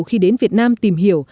khi đến việt nam tìm hiểu